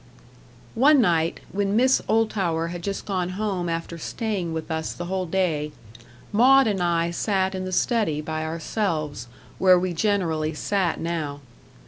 One night, when Miss Oldtower had just gone home after staying with us the whole day Maud and I sat in the study by ourselves, where we generally sat now.